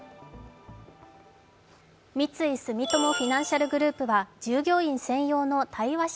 三井住友フィナンシャルグループは従業員専用の対話式